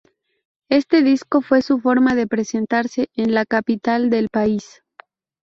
Este disco fue su forma de presentarse en la capital del país.